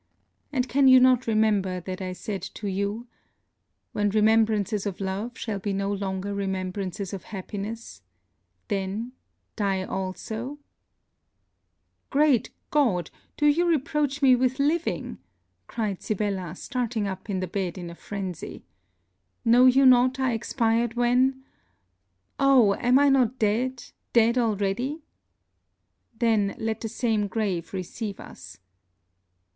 And can you not remember that I said to you When remembrances of love shall be no longer remembrances of happiness, then Die also.' 'Great God! Do you reproach me with living!' cried Sibella, starting up in the bed in a phrenzy. 'Know you not I expired when Oh! Am I not dead dead already?' 'Then, let the same grave receive us!'